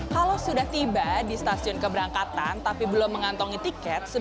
kalau sudah tiba di stasiun keberangkatan tapi belum mengantongi tiket